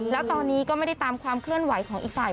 แล้วตอนนี้ก็ไม่ได้ตามความเคลื่อนไหวของอีกฝ่าย